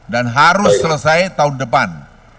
dan harus selesai tahun depan